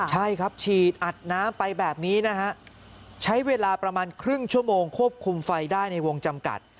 ใช่ครับฉีดอัดน้ำไปแบบนี้นะฮะใช้เวลาประมาณครึ่งชั่วโมงควบคุมไฟได้ในวงจำกัด